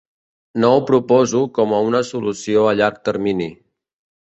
No ho proposo com una solució a llarg termini.